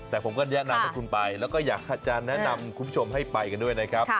แต่ผมก็แนะนำให้คุณไปแล้วก็อยากจะแนะนำคุณผู้ชมให้ไปกันด้วยนะครับ